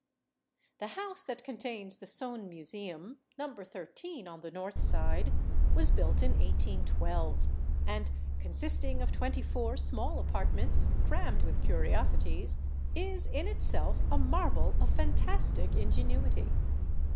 The house that contains the Soane Museum, No. 13 on the north side, was built in 1812, and, consisting of twenty four small apartments crammed with curiosities, is in itself a marvel of fantastic ingenuity.